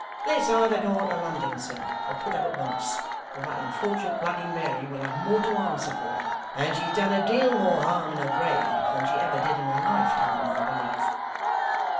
Let's either go on to London, sir, or put up at once; or that unfort'nate Bloody Mary will have more to answer for and she's done a deal more harm in her grave than she ever did in her lifetime, I believe.